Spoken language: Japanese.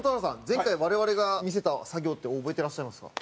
前回我々が見せた作業って覚えてらっしゃいますか？